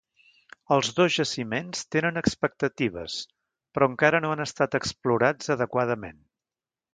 Els dos jaciments tenen expectatives però encara no han estat explorats adequadament.